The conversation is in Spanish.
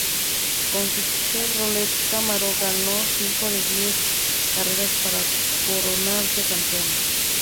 Con su Chevrolet Camaro, ganó cinco de diez carreras para coronarse campeón.